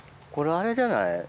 これあれじゃない？